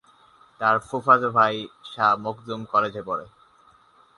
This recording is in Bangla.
তার ফুফাতো ভাই শাহ মখদুম কলেজে পড়ে।